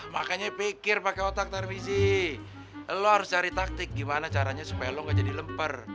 makanya pikir pakai otak televisi lo harus cari taktik gimana caranya supaya lo gak jadi lemper